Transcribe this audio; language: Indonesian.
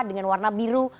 dengan warna biru